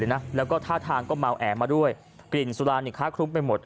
ได้กลิ่นเลยนะแล้วก็ท่าทางก็เมาแอมาด้วยกลิ่นสุราณิคาคลุมไปหมด